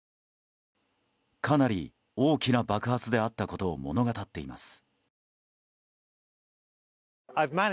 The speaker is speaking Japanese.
かなり大きな爆発であったことを物語っています。